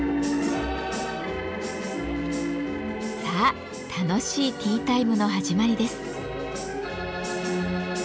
さあ楽しいティータイムの始まりです。